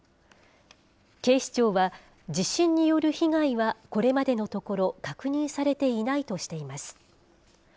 警視庁は、地震による被害はこれまでのところ確認されていないとしています。